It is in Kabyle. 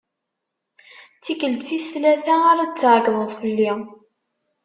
D tikelt tis tlata ara d-tɛeggdeḍ fell-i.